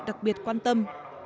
đặc biệt quan tâm